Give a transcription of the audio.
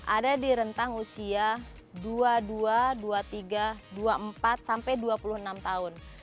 ada di rentang usia dua puluh dua dua puluh tiga dua puluh empat sampai dua puluh enam tahun